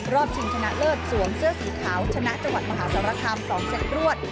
ชิงชนะเลิศสวมเสื้อสีขาวชนะจังหวัดมหาสารคาม๒เซตรวด